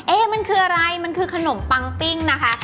เอ๊ะมันคืออะไรติ๊มคะมันคือขนมปังปิ้งนะคะ